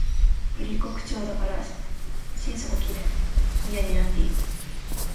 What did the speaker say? ぶりっ子口調だから心底嫌になっている